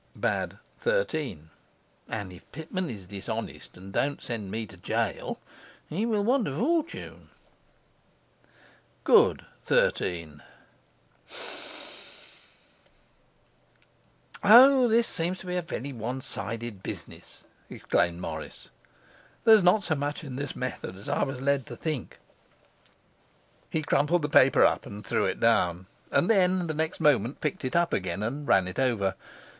And if Pitman is dishonest and don't send me to gaol, he will want a fortune. 13. 'O, this seems to be a very one sided business,' exclaimed Morris. 'There's not so much in this method as I was led to think.' He crumpled the paper up and threw it down; and then, the next moment, picked it up again and ran it over.